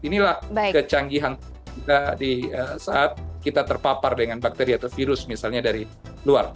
inilah kecanggihan saat kita terpapar dengan bakteri atau virus misalnya dari luar